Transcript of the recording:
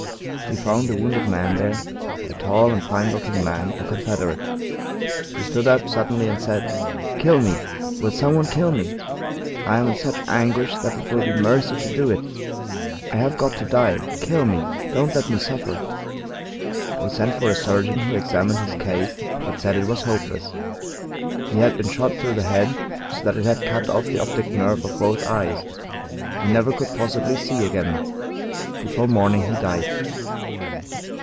We found a wounded man there, a tall and fine looking man, a Confederate. He stood up suddenly and said: "Kill me! Will some one kill me? I am in such anguish that it will be mercy to do it I have got to die kill me don't let me suffer!" We sent for a surgeon, who examined his case, but said it was hopeless. He had been shot through the head, so that it had cut off the optic nerve of both eyes. He never could possibly see again. Before morning he died.